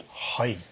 はい。